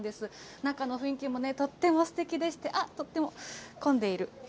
中の雰囲気もね、とってもすてきでして、あっ、とっても混んでいる。